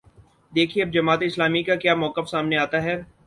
دیکھیے اب جماعت اسلامی کا کیا موقف سامنے آتا ہے۔